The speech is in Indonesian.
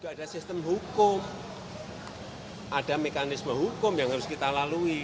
ada sistem hukum ada mekanisme hukum yang harus kita lalui